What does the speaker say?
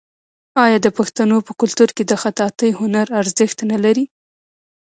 آیا د پښتنو په کلتور کې د خطاطۍ هنر ارزښت نلري؟